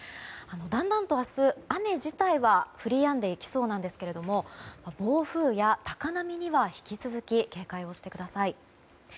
だんだんと明日、雨自体は降りやんでいきそうなんですが暴風や高波には引き続き警戒をしてください。